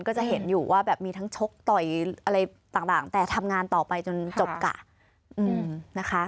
ก็จะเห็นอยู่ว่าแบบมีทั้งชกต่อยอะไรต่างแต่ทำงานต่อไปจนจบกะนะคะ